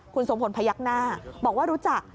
คุณทรงพลพยักหน้าบอกว่ารู้จัก